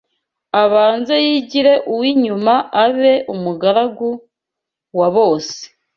abanze yigire uw’inyuma abe umugaragu wa bose